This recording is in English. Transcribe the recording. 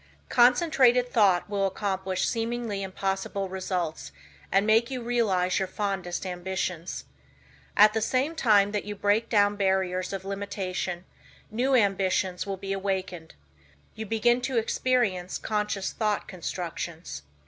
Concentrated thought will accomplish seemingly impossible results and make you realize your fondest ambitions. At the same time that you break down barriers of limitation new ambitions will be awakened. You begin to experience conscious thought constructions.